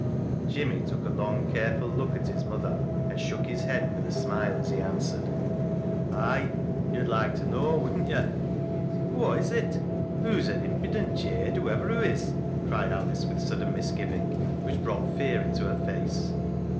Jimmy took a long, careful look at his mother and shook his head with a smile as he answered —" Ay ; yo'd like to know, wodn't yo' ?"" Whoa is it ? Hoo's an impident jade whoever hoo is," cried Alice with sudden mis giving, which brought fear into her face.